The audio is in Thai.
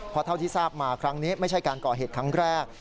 เพราะเท่าที่ทราบมาครั้งนี้ไม่ใช่การก่อเหตุครั้งแรก